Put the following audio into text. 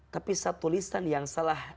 tapi satu lisan yang salah